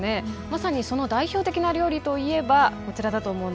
まさにその代表的な料理といえばこちらだと思うんです。